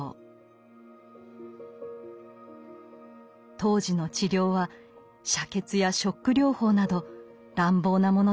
当時の治療は瀉血やショック療法など乱暴なものでした。